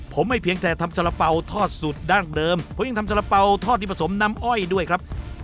ผมไม่เพียงแต่ทำสาระเป๋าทอดสูตรดั้งเดิมผมยังทำสาระเป๋าทอดที่ผสมน้ำอ้อยด้วยครับ